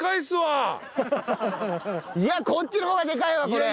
いやこっちの方がでかいわこれ。